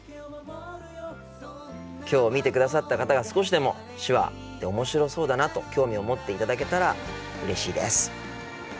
今日見てくださった方が少しでも手話って面白そうだなと興味を持っていただけたらうれしいです。